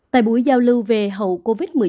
tại buổi giao lưu về hậu covid một mươi chín